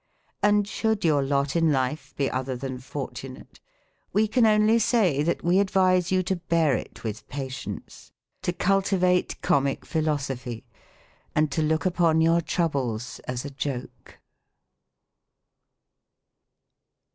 And should your lot in life be other than fortunate, we can only say, that we advise you to bear it with patience ; to cultivate Comic Phil osophy ; and to look upon your troubles as a joke.